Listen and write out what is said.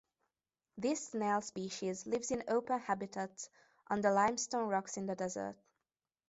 This snail species lives in open habitats, under limestone rocks in the desert.